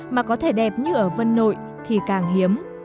mà có thể đẹp như ở vân nội thì càng hiếm